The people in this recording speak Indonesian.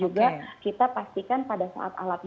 juga kita pastikan pada saat alat mau dikonsumsi